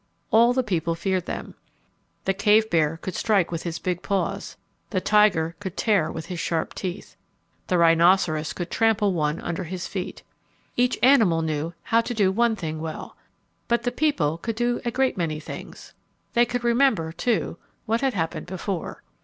All the people feared them. The cave bear could strike with his big paws. The tiger could tear with his sharp teeth. The rhinoceros could trample one under his feet. Each animal knew how to do one thing well. But the people could do a great many things. They could remember, too, what had happened before.